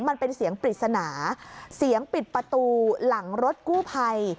มันเป็นเสียงปริศนาเสียงปิดประตูหลังรถกู้ภัย